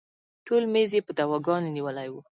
ټول میز یې په دواګانو نیولی و.